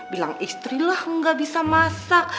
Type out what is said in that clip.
bilang istri lah gak bisa masak